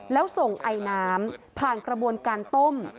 แล้วส่งไอน้ำผ่านกระบวนการต้ม